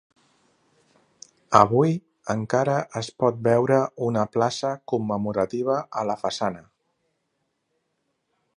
Avui encara es pot veure una placa commemorativa a la façana.